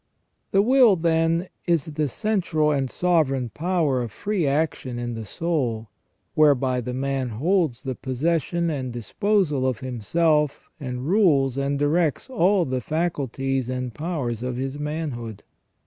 The will, then, is the central and sovereign power of free action in the soul, whereby the man holds the possession and disposal of himself, and rules and directs all the faculties and powers of his manhood.